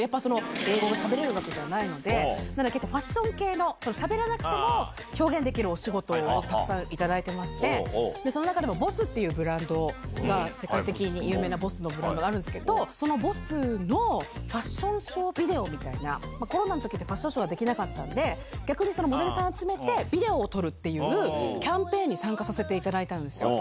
英語がしゃべれるわけじゃないので、なんか結構ファッション系のしゃべらなくてもお仕事をたくさん頂いてまして、その中でＢＯＳＳっていうブランドが、世界的に有名なＢＯＳＳのブランドがあるんですけど、そのＢＯＳＳのファッションショービデオみたいな、コロナのときって、ファッションショーができなかったんで、逆にモデルさんを集めて、ビデオを撮るっていうみたいなキャンペーンに参加させていただいたんですよ。